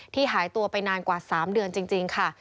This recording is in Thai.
หายตัวไปนานกว่า๓เดือนจริงค่ะ